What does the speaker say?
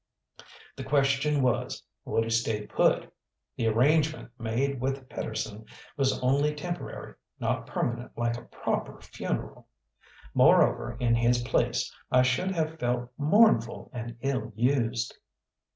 The question was, would he stay put? The arrangement made with Pedersen was only temporary, not permanent like a proper funeral. Moreover, in his place I should have felt mournful and ill used.